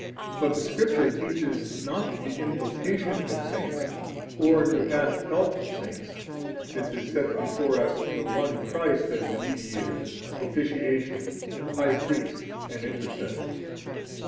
But the Scripture teaches not the invocation of saints or to ask help of saints, since it sets before us the one Christ as the Mediator, Propitiation, High Priest, and Intercessor.